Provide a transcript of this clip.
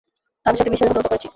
তাদের সাথে বিশ্বাসঘাতকতা করেছি।